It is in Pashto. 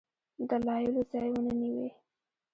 دلایلو ځای ونه نیوی.